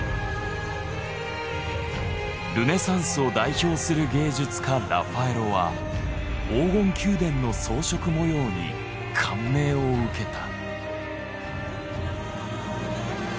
ルネサンスを代表する芸術家ラファエロは黄金宮殿の装飾模様に感銘を受けた。